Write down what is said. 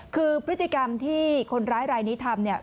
คือพฤติกรรมที่คนร้ายลายนี้ทำ